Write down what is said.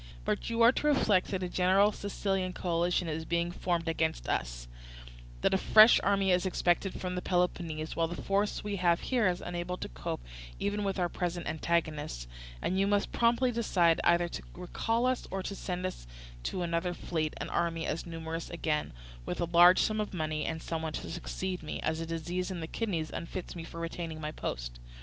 But you are to reflect that a general Sicilian coalition is being formed against us; that a fresh army is expected from Peloponnese, while the force we have here is unable to cope even with our present antagonists; and you must promptly decide either to recall us or to send out to us another fleet and army as numerous again, with a large sum of money, and someone to succeed me, as a disease in the kidneys unfits me for retaining my post.